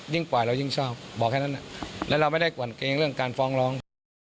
ปล่อยเรายิ่งชอบบอกแค่นั้นและเราไม่ได้กวั่นเกรงเรื่องการฟ้องร้อง